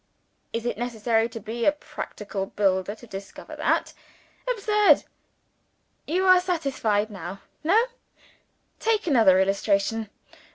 Is it necessary to be a practical builder to discover that? Absurd! Are you satisfied now? No! Take another illustration.